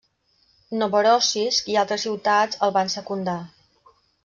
Novorossisk i altres ciutats els van secundar.